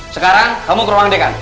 sekarang kamu ke ruang dekan